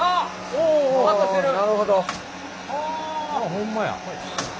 ホンマや。